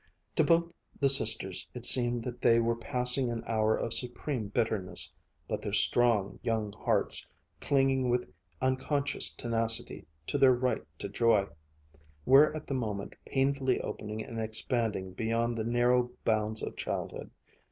To both the sisters it seemed that they were passing an hour of supreme bitterness; but their strong young hearts, clinging with unconscious tenacity to their right to joy, were at that moment painfully opening and expanding beyond the narrow bounds of childhood.